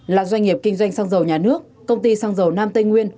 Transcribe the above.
là doanh nghiệp kinh doanh xăng dầu nhà nước công ty xăng dầu nam tây nguyên